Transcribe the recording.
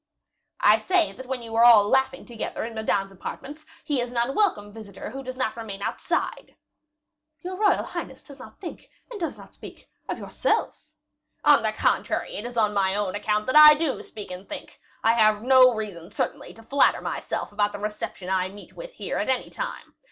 "I say that when you are all laughing together in Madame's apartment, he is an unwelcome visitor who does not remain outside." "Your royal highness does not think, and does not speak so, of yourself?" "On the contrary, it is on my own account that I do speak and think. I have no reason, certainly, to flatter myself about the reception I meet with here at any time.